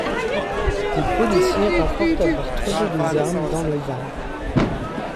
Des policiers rapportent avoir trouvé des armes dans le van.